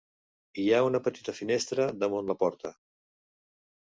Hi ha una petita finestra damunt la porta.